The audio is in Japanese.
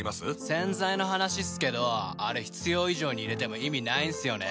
洗剤の話っすけどあれ必要以上に入れても意味ないんすよね。